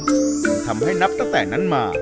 ซึ่งทำให้นับตั้งแต่นั้นมา